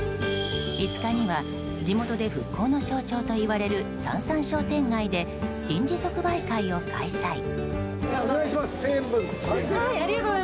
５日には地元で復興の象徴といわれるさんさん商店街で臨時即売会を開催。